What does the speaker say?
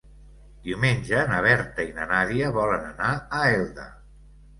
Diumenge na Berta i na Nàdia volen anar a Elda.